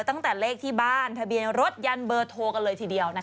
ตั้งแต่เลขที่บ้านทะเบียนรถยันเบอร์โทรกันเลยทีเดียว